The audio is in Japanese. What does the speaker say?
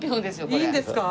いいんですか？